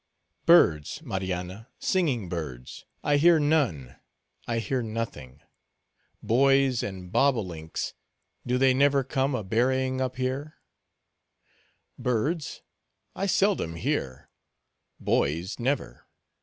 "Birds, Marianna, singing birds, I hear none; I hear nothing. Boys and bob o links, do they never come a berrying up here?" "Birds, I seldom hear; boys, never.